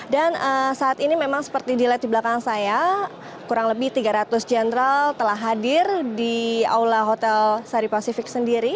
dan saat ini memang seperti dilihat di belakang saya kurang lebih tiga ratus jenderal telah hadir di aula hotel saripasifik sendiri